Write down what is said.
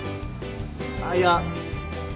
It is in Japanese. あっいや。